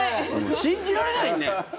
信じられないよね。